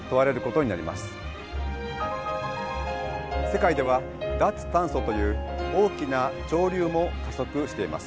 世界では脱炭素という大きな潮流も加速しています。